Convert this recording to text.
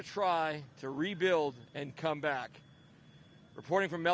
kita akan mencoba untuk membangun dan kembali